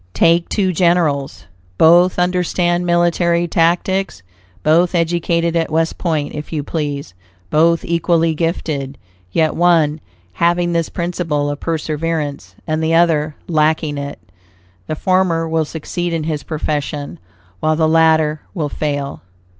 Take two generals; both understand military tactics, both educated at West Point, if you please, both equally gifted; yet one, having this principle of perseverance, and the other lacking it, the former will succeed in his profession, while the latter will fail.